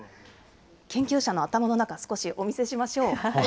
研究者の頭の中、少しお見せしましょう。